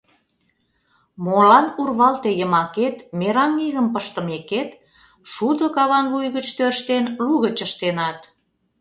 Молан урвалте йымакет мераҥ игым пыштымекет, шудо каван вуй гыч тӧрштен, лугыч ыштенат?